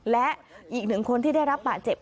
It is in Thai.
และอีกหนึ่งคนที่ได้รับบาดเจ็บ